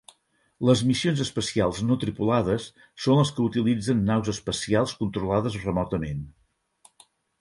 Les missions espacials no tripulades són les que utilitzen naus espacials controlades remotament.